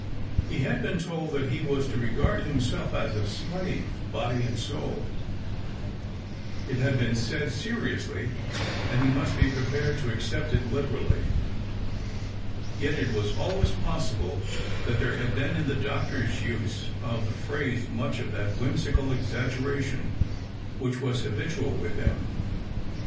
He had been told that he was to regard himself as a slave, body and soul ; it had been said seriously, and he must be prepared to accept it literally. Yet it was always possible that there had been in the doctor's use of the phrase much of that whimsical exaggeration which was habitual with him.